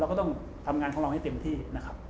ก็ต้องทำงานของเราให้เต็มที่นะครับ